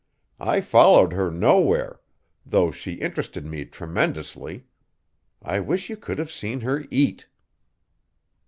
I followed her nowhere, though she interested me tremendously. I wish you could have seen her eat."